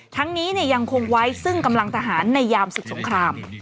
ทั้งนี้ยังคงไว้ซึ่งกำลังทหารในยามศึกสงคราม